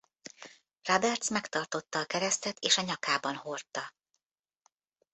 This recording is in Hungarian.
Roberts megtartotta a keresztet és a nyakában hordta.